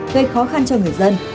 gây khó khăn cho người dân